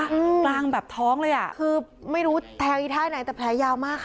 กลางแบบท้องเลยอ่ะคือไม่รู้แทงอีท่าไหนแต่แผลยาวมากค่ะ